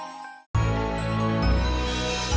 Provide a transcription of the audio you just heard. emang kelewatan tuh orang ya